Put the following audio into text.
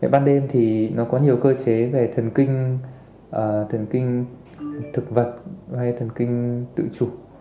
ban đêm thì nó có nhiều cơ chế về thần kinh thực vật hay thần kinh tự chủ